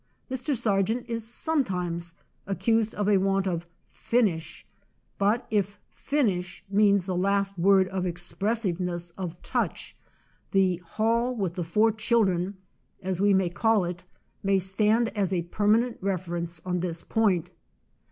Mr. Sargent is sometimes accused of a want of kk finish," but if finish means the last word of expressiveness of touch, 'kThe Hall with the Four Children," as we may call it, may stand as a perma nent reference on this point.